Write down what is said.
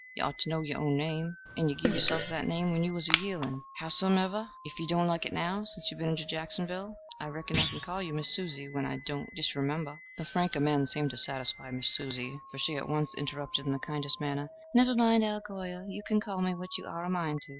You ort to know yer own name, and you give yerself that name when you was a yearling. Howsom ever, ef you don't like it now, sence you've been to Jacksonville, I reckon I can call you Miss Susie when I don't disremember." The frank amende seemed to satisfy Miss Susie, for she at once interrupted in the kindest manner: "Never mind, Al Golyer: you can call me what you are a mind to."